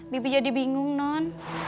bibi jadi bingung non